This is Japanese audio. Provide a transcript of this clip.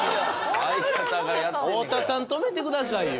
太田さん止めてくださいよ。